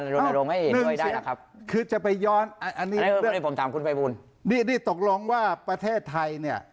แล้วทำไมรัฐบาลออกมาลดนรงไม่เห็นด้วยได้ล่ะครับ